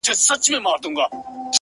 او ښه په ډاگه درته وايمه چي؛